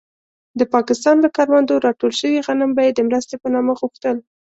د پاکستان له کروندو راټول شوي غنم به يې د مرستې په نامه غوښتل.